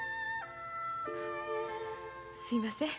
すいません。